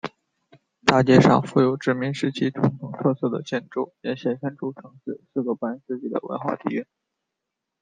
大街上富有殖民时期传统特色的建筑也显现出城市四个半世纪的文化底蕴。